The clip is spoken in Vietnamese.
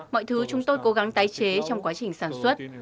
mọi thứ chúng tôi cố gắng tái chế trong quá trình sản xuất